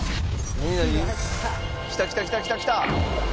何何？来た来た来た来た来た！